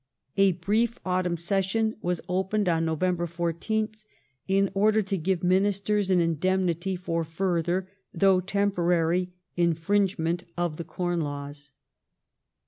A brief autumn session was opened on November 14th in order to give Ministers an indemnity for fur.ther, though temporary, infringe ment of the Corn Laws.